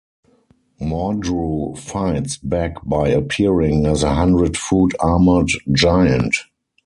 Mordru fights back by appearing as a hundred foot armored giant.